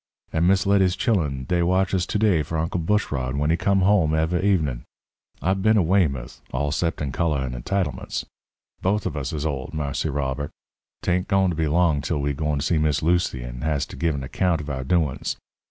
And Miss Letty's chillun, dey watches to day for Uncle Bushrod when he come home ever' evenin'. I been a Weymouth, all 'cept in colour and entitlements. Both of us is old, Marse Robert. 'Tain't goin' to be long till we gwine to see Miss Lucy and has to give an account of our doin's.